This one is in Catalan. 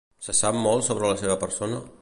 Se sap molt sobre la seva persona?